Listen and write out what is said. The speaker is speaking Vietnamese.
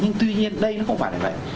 nhưng tuy nhiên đây nó không phải là bệnh